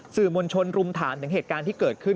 สื่อมวลชนรุมถามถึงเหตุการณ์ที่เกิดขึ้น